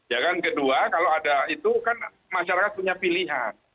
ya kan kedua kalau ada itu kan masyarakat punya pilihan